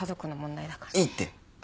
いいって。